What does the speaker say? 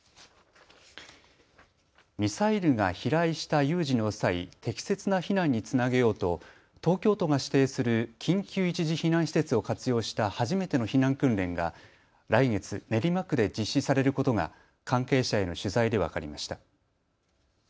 ミサイルが飛来した有事の際、適切な避難につなげようと東京都が指定する緊急一時避難施設を活用した初めての避難訓練が来月、練馬区で実施されることが関係者への取材で分かりました。